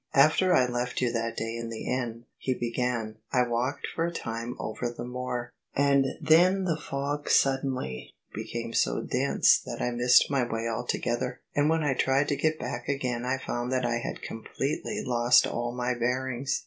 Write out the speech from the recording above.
" After I left you that day in the inn," he began, " I walked for a time over the moor; and then the fog suddenly became so dense that I missed my way altogether, and when I tried to get back again I foimd that I had completely lost all my bearings.